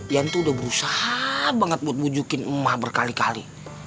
yantudah berusaha banget buat bujukin emah berkali kali